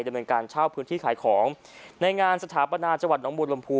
ดำเนินการเช่าพื้นที่ขายของในงานสถาปนาจังหวัดน้องบูรลมภู